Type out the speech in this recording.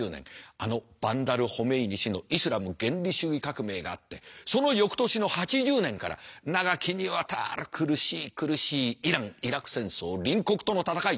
あのバンダル・ホメイニ師のイスラム原理主義革命があってその翌年の８０年から長きにわたる苦しい苦しいイラン・イラク戦争隣国との戦い。